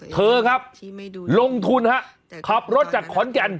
เธอครับลงทุนฮะขับรถจากขอนแก่น